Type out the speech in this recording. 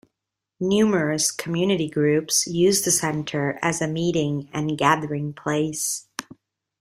Numerous community groups use the center as a meeting and gathering place.